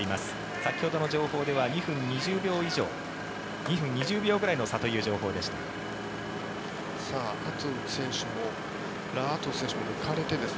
先ほどの情報では２分２０秒ぐらいの差という情報でした。